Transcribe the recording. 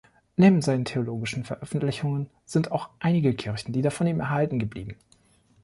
Neben seinen theologischen Veröffentlichungen sind auch einige Kirchenlieder von ihm erhalten geblieben.